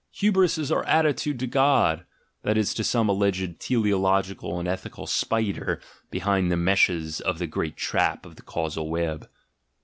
"Hybris" is our attitude to God, that is, to some alleged teleological and ethical spider behind the meshes of the great trap of the causal web.